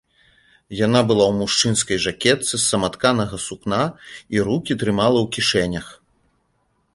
Яна была ў мужчынскай жакетцы з саматканага сукна і рукі трымала ў кішэнях.